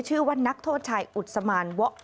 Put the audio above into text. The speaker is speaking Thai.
ชื่อว่านักโทษชายอุศมานวะ